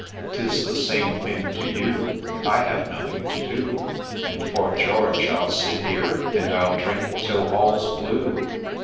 'Tis the same thing to you ; I have nothing to do ; And, 'fore George, I'll sit here, and I'll drink till all 's blue